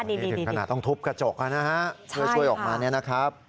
นี่ต้องทุบกระจกก่อนนะคะเพื่อช่วยออกมาเนี่ยนะครับ